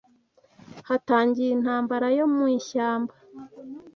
Hatangiye intambara yo mu ishyamba,